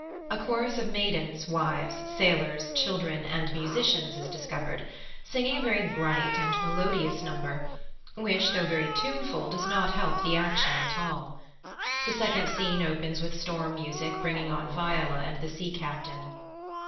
A chorus of maidens, wives, sailors, children, and musicians is discovered, singing a very bright and melodious number, which, though very tuneful, does not help the action at all. The second scene opens with storm music bringing on Viola and the Sea Captain.